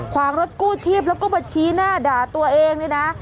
ขวางรถกู้ชีพแล้วก็มาชี้หน้าด่าตัวเองเนี่ยนะ